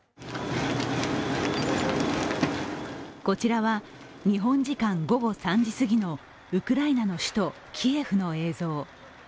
こちらは日本時間午後３時すぎのウクライナの首都、キエフの映像。